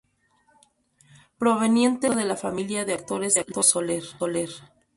Proveniente directo de la familia de actores Los Soler.